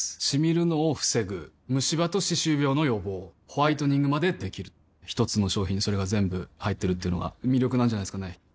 シミるのを防ぐムシ歯と歯周病の予防ホワイトニングまで出来る一つの商品にそれが全部入ってるっていうのが魅力なんじゃないですかね